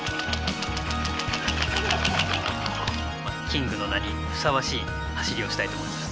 キングの名にふさわしい走りをしたいと思います。